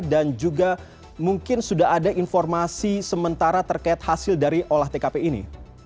dan juga mungkin sudah ada informasi sementara terkait hasil dari olah tkp ini